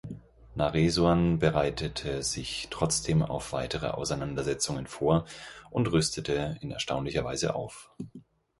Naresuan bereitete sich trotzdem auf weitere Auseinandersetzungen vor und rüstete in erstaunlicher Weise auf.